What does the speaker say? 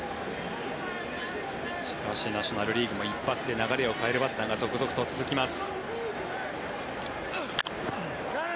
ナショナル・リーグも一発で流れを変えるバッターが続々と続きます。